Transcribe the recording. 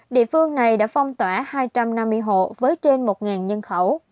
địa phương này đã phong tỏa hai trăm năm mươi hộ với trên một nhân khẩu